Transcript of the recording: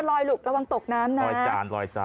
ลอยลุกระวังตกน้ำนะฮะ